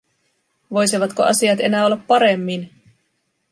Voisivatko asiat enää olla paremmin?